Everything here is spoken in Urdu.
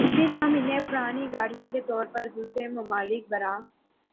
پھر ہم انہیں پرانی گاڑیوں کے طور پر دوسرے ممالک برآ